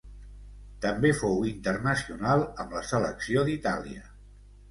També fou internacional amb la selecció d'Itàlia.